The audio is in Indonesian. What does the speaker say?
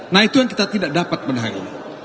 nah itu yang kita tidak dapat pada hari ini